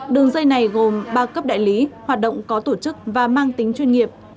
đường dây này gồm ba cấp đại lý hoạt động có tổ chức và mang tính chuyên nghiệp